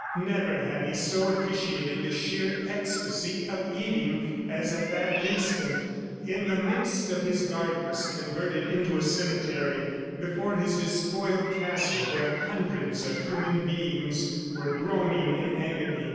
Never had he so appreciated the sheer ecstasy of eating as at that instant in the midst of his gardens converted into a cemetery, before his despoiled castle where hundreds of human beings were groaning in agony.